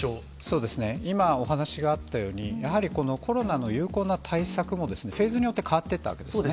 そうですね、今お話があったように、やはりこのコロナの有効な対策も、フェーズによって変わっていったわけですね。